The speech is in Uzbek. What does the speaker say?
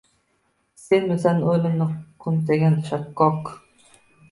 Senmisan o’limni qo’msagan shakkok